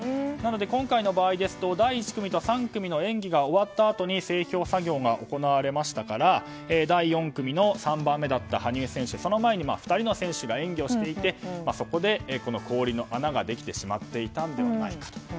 なので今回の場合第１組と第２組の演技が終わったあとに整氷作業が行われましたから第４組の３番目だった羽生選手は２人の選手が演技をしていてそこで氷の穴ができてしまっていたのではないかと。